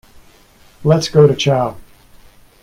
Let's go to chow.